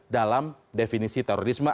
dalam definisi terorisme